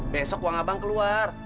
besok uang abang keluar